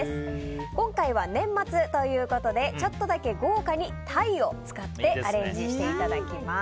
今回は年末ということでちょっとだけ豪華に鯛を使ってアレンジしていただきます。